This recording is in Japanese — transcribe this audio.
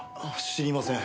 知りません。